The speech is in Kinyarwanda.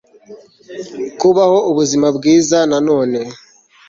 kubaho ubuzima bwiza na none